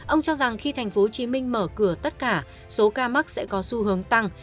ông cho rằng khi tp hcm mở cửa tất cả số ca mắc sẽ có xu hướng tăng